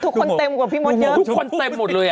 ทุกคนเต็มกว่าพี่มดเยอะ